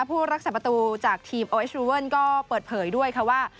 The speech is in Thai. ผู้รักษาประตูจากทีมโอเอสรูเวิลก็เปิดเผยด้วยค่ะว่า